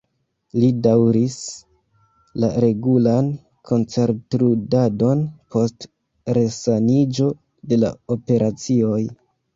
Li daŭris la regulan koncertludadon post resaniĝo de la operacioj.